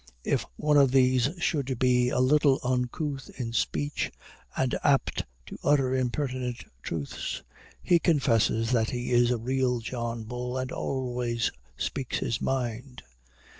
If one of these should be a little uncouth in speech, and apt to utter impertinent truths, he confesses that he is a real John Bull, and always speaks his mind.